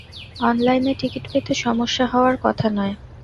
অনলাইনে টিকিট পেতে সমস্যা হওয়ার কথা নয়।